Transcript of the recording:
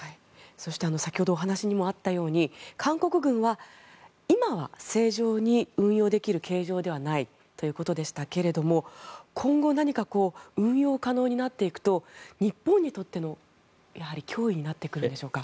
そして先ほどお話にもあったように韓国軍は今は正常に運用できる形状ではないということでしたけれども今後何か運用可能になっていくと日本にとっての脅威になってくるんでしょうか？